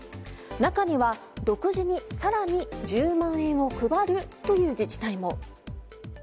中には独自に更に１０万円を配るという自治体も。